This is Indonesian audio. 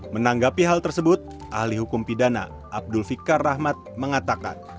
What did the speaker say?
menanggapi hal tersebut ahli hukum pidana abdul fikar rahmat mengatakan